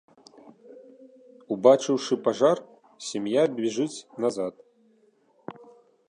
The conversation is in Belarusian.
Убачыўшы пажар, сям'я бяжыць назад.